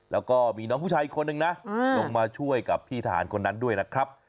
แล้วก็มีน้องผู้ชายอีกคนนึงนะลงมาช่วยกับพี่ทหารคนนั้นด้วยนะครับ